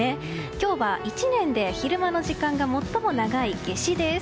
今日は１年で昼間の時間が最も長い夏至です。